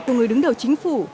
của người đứng đầu chính phủ